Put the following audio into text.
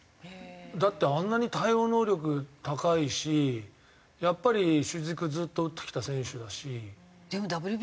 だってあんなに対応能力高いしやっぱり主軸ずっと打ってきた選手だし。